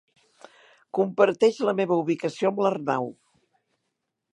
Comparteix la meva ubicació amb l'Arnau.